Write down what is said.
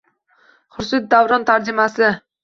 Xurshid Davron tarjimasi